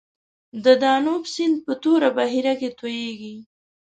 د دانوب سیند په توره بحیره کې تویږي.